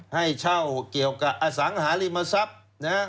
ให้เช่าเกี่ยวกับอสังหาริมทรัพย์